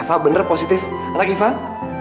eva bener positif anak ivan